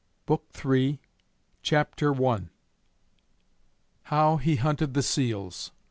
BOOK III. CHAPTER I. HOW HE HUNTED THE SEALS.